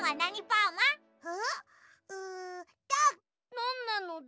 なんなのだ？